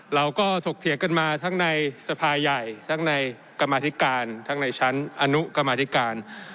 ถกเถียงกันมาทั้งในสภาใหญ่ทั้งในกรรมธิการทั้งในชั้นอนุกรรมธิการ